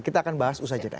kita akan bahas usai jeda